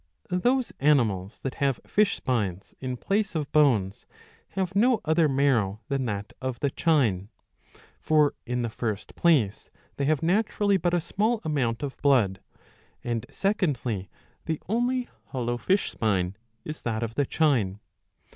Those animals that have fish spines in place of bones have no other marrow than that of the chine.^ For in the first place 652 a, 3 34 ii 6— ii. 7. they have naturally but a small amount of blood ; and secondly the only hollow fish spine is that of the chine.